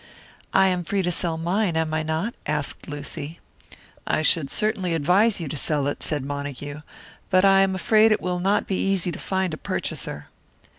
"I am free to sell mine, am I not?" asked Lucy. "I should certainly advise you to sell it," said Montague. "But I am afraid it will not be easy to find a purchaser."